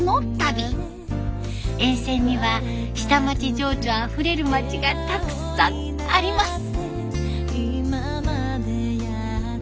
沿線には下町情緒あふれる町がたくさんあります。